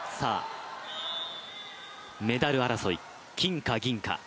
メダル争い、金か銀か。